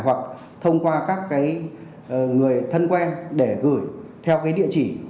hoặc thông qua các người thân quen để gửi theo cái địa chỉ